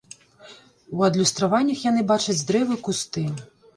У адлюстраваннях яны бачаць дрэвы, кусты.